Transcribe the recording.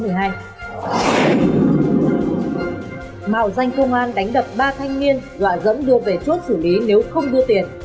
mạo danh công an đánh đập ba thanh niên dọa dẫm đưa về chốt xử lý nếu không đưa tiền